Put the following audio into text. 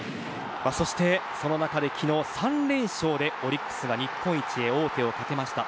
そして、その中で昨日、３連勝でオリックスが日本一へ王手をかけました。